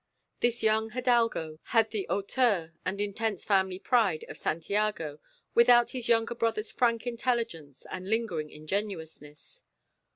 This young hidalgo had the hauteur and intense family pride of Santiago without his younger brother's frank intelligence and lingering ingenuousness.